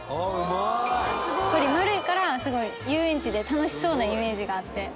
やっぱり丸いからすごい遊園地で楽しそうなイメージがあって。